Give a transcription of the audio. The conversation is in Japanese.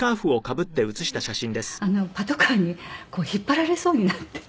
それでパトカーに引っ張られそうになって。